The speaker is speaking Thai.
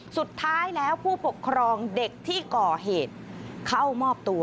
สุดท้ายแล้วผู้ปกครองเด็กที่ก่อเหตุเข้ามอบตัว